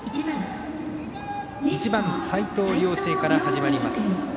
１番齊藤亮成から始まります。